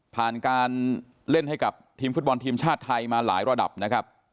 ผ่านการเล่นให้กับทีมฟุตบอลทีมชาติไทยมาหลายระดับนะครับ